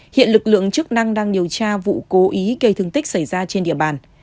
hiện lực lượng chức năng đang điều tra vụ cố ý gây thương tích xảy ra trên địa bàn